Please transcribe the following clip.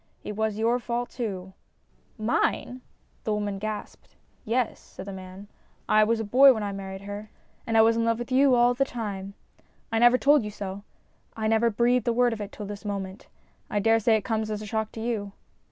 It was your fault too." " Mine ?" the woman gasped. "Yes," said the man. "I was a boy when I married her, and I was in love with you all the 244 STORIES IN GREY time. I never told you so I never breathed a word of it till this moment. I daresay it comes as a shock to you."